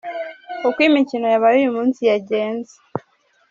Uko imikino yabaye uyu munsi yagenze:.